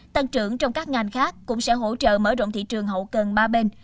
tăng trưởng trong các ngành khác cũng sẽ hỗ trợ mở rộng thị trường hậu cần ba bên